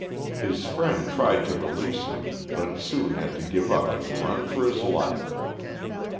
His friend tried to release him, but soon had to give up and run for his life.